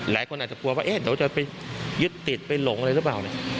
หลายคนอาจจะกลัวว่าเอ๊ะเดี๋ยวจะไปยึดติดไปหลงอะไรหรือเปล่าเนี่ย